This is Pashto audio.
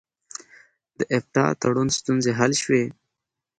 د اپټا تړون ستونزې حل شوې؟